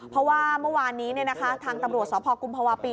เพราะว่าเมื่อวานนี้ทางตำรวจสพกุมภาวะปี